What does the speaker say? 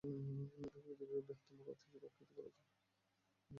একে পৃথিবীর বৃহত্তম হ্রদ হিসেবে আখ্যায়িত করা হয়েছে যার আয়তন একটি সম্পূর্ণ সাগরের সমান।